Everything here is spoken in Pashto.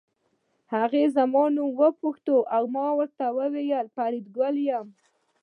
هغې زما نوم وپوښت او ما وویل فریدګل یم